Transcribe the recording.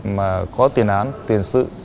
mà có tiền án tiền sự